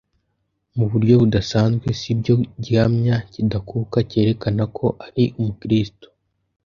mu buryo budasanzwe si byo gihamya kidakuka cyerekana ko ari Umukristo.